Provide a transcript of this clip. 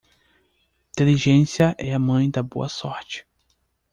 Diligência é a mãe da boa sorte.